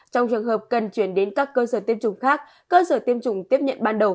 trong trường hợp cần chuyển đến các cơ sở tiêm chủng khác cơ sở tiêm chủng tiếp nhận ban đầu